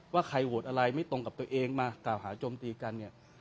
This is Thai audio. ว่าใครโหวตอะไรไม่ตรงกับตัวเองมากล่าวหาโจมตีกันเนี่ย